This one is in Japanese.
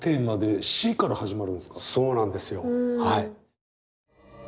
そうなんですよはい。